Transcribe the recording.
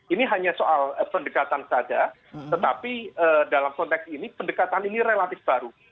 ini hanya soal pendekatan saja tetapi dalam konteks ini pendekatan ini relatif baru